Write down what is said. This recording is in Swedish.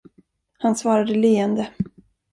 Han svarade leende.